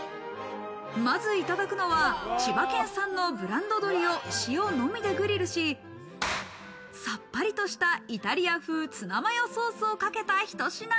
まずいただくのは千葉県産のブランド鶏を塩のみでグリルし、さっぱりとしたイタリア風ツナマヨソースをかけたひと品。